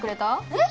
えっ？